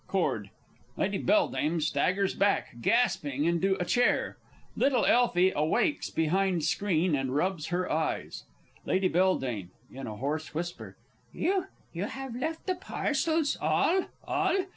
[Chord. Lady B. staggers back, gasping, into chair. Little ELFIE awakes behind screen, and rubs her eyes. Lady B. (in a hoarse whisper). You you have left the parcels ... all _all?